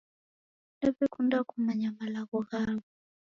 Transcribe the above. Nawekunda kumanya malagho ghaw'o